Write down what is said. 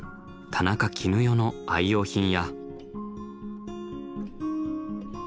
田中絹代の愛用品や。